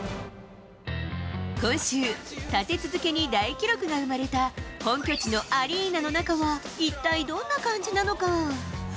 今週、立て続けに大記録が生まれた本拠地のアリーナの中は、一体どんな感じなのか。